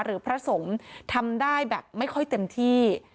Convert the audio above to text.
หรือพระสมทำได้แบบไม่ค่อยเต็มที่